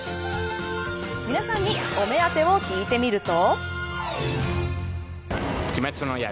皆さんにお目当てを聞いてみると。